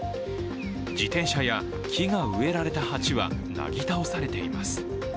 自転車や木が植えられた鉢はなぎ倒されています。